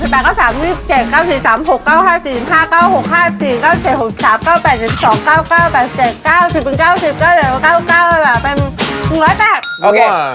เป็น๑๐๘ครับโอเคโอเค